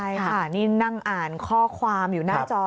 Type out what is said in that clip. ใช่ค่ะนี่นั่งอ่านข้อความอยู่หน้าจอ